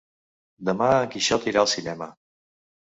Demà en Quixot irà al cinema.